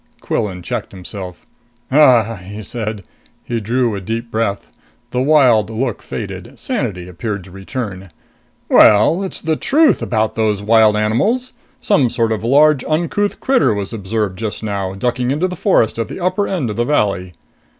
Quillan checked himself. "Uh!" he said. He drew a deep breath. The wild look faded. Sanity appeared to return. "Well, it's the truth about those wild animals! Some sort of large, uncouth critter was observed just now ducking into the forest at the upper end of the valley!"